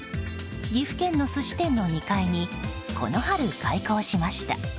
岐阜県の寿司店の２階にこの春開校しました。